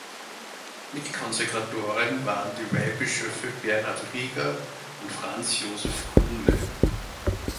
Mitkonsekratoren waren die Weihbischöfe Bernhard Rieger und Franz Josef Kuhnle.